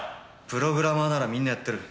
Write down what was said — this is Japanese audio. プログラマーならみんなやってる。